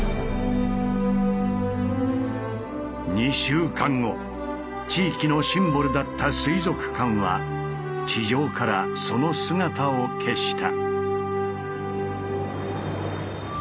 ２週間後地域のシンボルだった水族館は地上からその姿を消した。